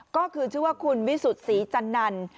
ก็คือชื่อว่าคุณวิสุทธิ์ศรีจันนัน